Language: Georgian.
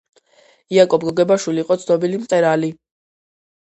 იაკობ გოგებაშვილი იყო ცნობილი მწერალი